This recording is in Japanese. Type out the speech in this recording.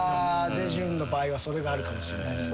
ジェジュンの場合はそれがあるかもしんないっすね。